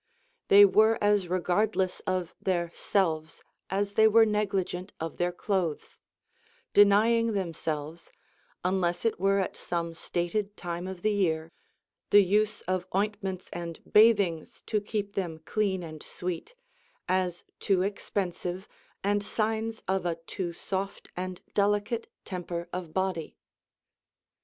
They were as regardless of their selves as they were negligent of their clothes, denying themselves (unless it were at some stated time of the year) the use of ointments and bathings to keep them clean and sweet, as too expensive and signs of a too soft and delicate temper of body.